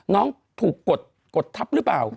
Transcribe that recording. น้องถูกกดทับหรือเปล่า